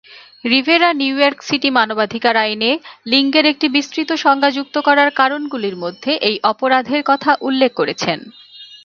Rivera New York City মানবাধিকার আইনে লিঙ্গের একটি বিস্তৃত সংজ্ঞা যুক্ত করার কারণগুলির মধ্যে এই অপরাধের কথা উল্লেখ করেছেন।